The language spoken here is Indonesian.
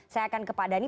saya akan ke pak dhani